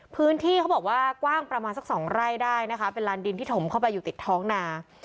พื้นที่เขาบอกว่ากว้างประมาณสักสองไร่ได้นะคะเป็นลานดินที่ถมเข้าไปอยู่ติดท้องนา